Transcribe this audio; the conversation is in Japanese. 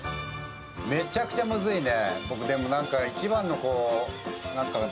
めちゃくちゃムズいね。